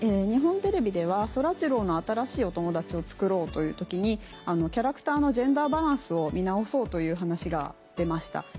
日本テレビではそらジローの新しいお友達をつくろうという時にキャラクターのジェンダーバランスを見直そうという話が出ました。